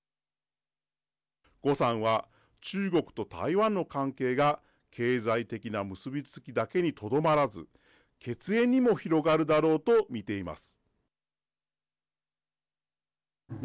呉さんは、中国と台湾の関係が経済的な結び付きだけにとどまらず血縁にも広がるだろうと見ています。